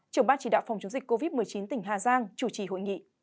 trưởng ban chỉ đạo phòng chống dịch covid một mươi chín tỉnh hà giang chủ trì hội nghị